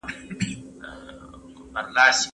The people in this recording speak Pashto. پاکې جامې د ناروغیو مخه نیسي.